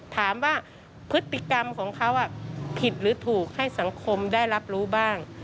ถามว่าพฤติกรรมของเขาผิดหรือถูกให้สังคมได้รับรู้บ้าง